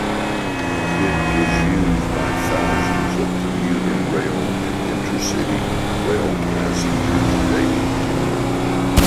It is used by thousands of commuter rail and intercity rail passengers daily.